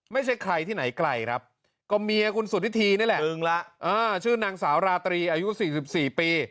ไม่ใช่ใครที่ไหนไกลครับก็เมียคุณสุธิธีนี่แหละชื่อนางสาวราตรีอายุ๔๔ปี